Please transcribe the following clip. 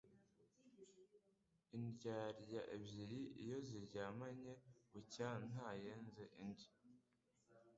Indyarya ebyiri iyo ziryamanye, bucya ntayenze indi